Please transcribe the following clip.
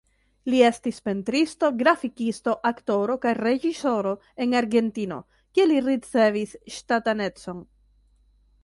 Li estis pentristo, grafikisto, aktoro kaj reĝisoro en Argentino, kie li ricevis ŝtatanecon.